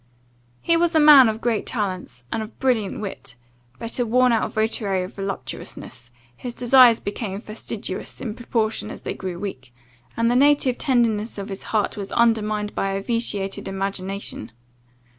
"He was a man of great talents, and of brilliant wit; but, a worn out votary of voluptuousness, his desires became fastidious in proportion as they grew weak, and the native tenderness of his heart was undermined by a vitiated imagination.